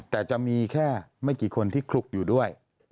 แต่จะมีแค่ไม่กี่คนที่คลุกอยู่ด้วย